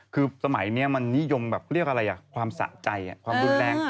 คือสมัยนี้มันนิยมแบบเรียกอะไรความสะใจความรุนแรง